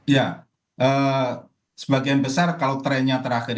ya sebagian besar kalau trennya terakhir